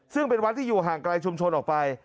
ซึ่งเป็นวัดที่อยู่ห่างไกลชุมชนออกไป